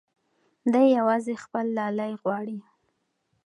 دی یوازې خپل لالی غواړي.